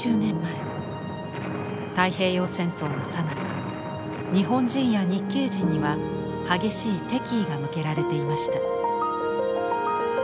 太平洋戦争のさなか日本人や日系人には激しい敵意が向けられていました。